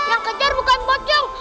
ali yang kejar bukan boceng